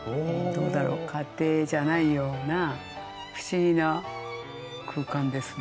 どうだろ家庭じゃないような不思議な空間ですね。